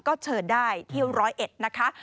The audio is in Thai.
ก็เชิญได้ที่๑๐๑นะคะ